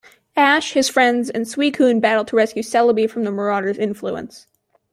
Ash, his friends, and Suicune battle to rescue Celebi from the Marauder's influence.